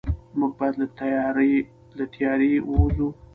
موږ باید له تیارې ووځو.